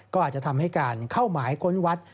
ก็อาจจะทำให้การเข้าหมายค้นวัด